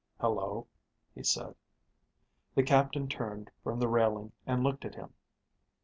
"Hello," he said. The captain turned from the railing and looked at him.